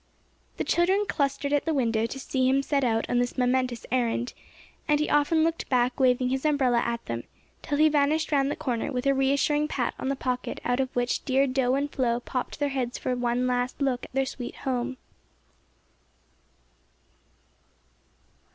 The children clustered at the window to see him set out on this momentous errand, and he often looked back waving his umbrella at them, till he vanished round the corner, with a reassuring pat on the pocket out of which dear Do and Flo popped their heads for a last look at their sweet home.